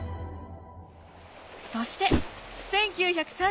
そして１９３４年秋。